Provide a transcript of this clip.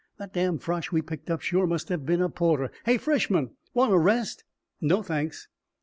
That damn Frosh we picked up sure must have been a porter hey, freshmen! Want a rest?" "No, thanks."